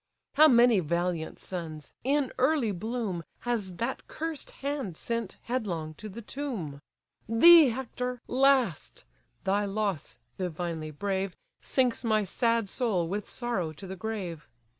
How many valiant sons, in early bloom, Has that cursed hand sent headlong to the tomb! Thee, Hector! last: thy loss (divinely brave) Sinks my sad soul with sorrow to the grave.